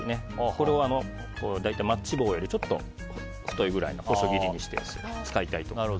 これをマッチ棒よりちょっと太いくらいの細切りにして使いたいと思います。